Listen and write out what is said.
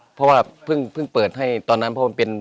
เพราะว่าเพิ่งเปิดให้ตอนนั้นเพราะมันเป็น